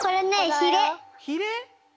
ひれ！？